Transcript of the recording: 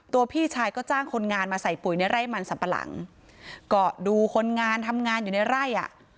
พี่ชายก็จ้างคนงานมาใส่ปุ๋ยในไร่มันสัมปะหลังก็ดูคนงานทำงานอยู่ในไร่อ่ะ